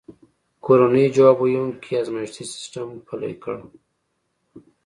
کورنیو ځواب ویونکی ازمایښتي سیستم پلی کړ.